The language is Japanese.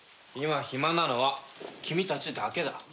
今暇なのは君たちだけだ。